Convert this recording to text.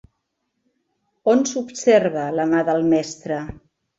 On s'observa la mà del mestre?